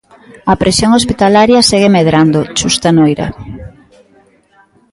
A presión hospitalaria segue medrando Chus Tanoira...